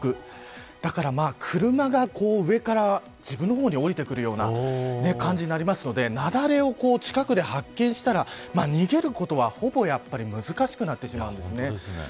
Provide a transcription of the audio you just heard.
だから車が上から自分の方におりてくるような感じになりますので雪崩を近くで発見したら逃げることはほぼ難しくなってしまうんです。